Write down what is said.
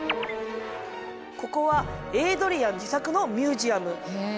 ここはエイドリアン自作のミュージアム。